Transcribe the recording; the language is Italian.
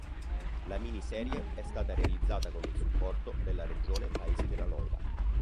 La miniserie è stata realizzata con il supporto della regione Paesi della Loira.